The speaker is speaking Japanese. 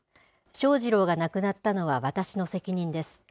翔士郎が亡くなったのは私の責任です。